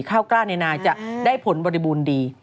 ข้าวกล้าในนาจะได้ผลบริบูรณ์ดี